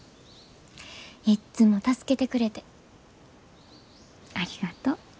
いっつも助けてくれてありがとう。